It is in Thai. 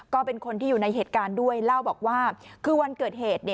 ก็เป็นคนที่อยู่ในเหตุการณ์ด้วยเล่าบอกว่าคือวันเกิดเหตุ